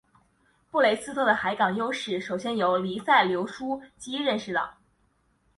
布雷斯特的海港优势首先由黎塞留枢机认识到。